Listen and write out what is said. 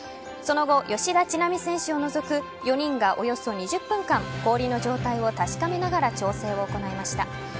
その後吉田知那美選手を除く４人がおよそ２０分間氷の状態を確かめながら調整を行いました。